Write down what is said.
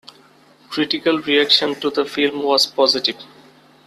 Critical reaction to the film was positive.